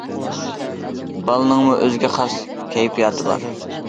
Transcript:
بالىنىڭمۇ ئۆزىگە خاس كەيپىياتى بار.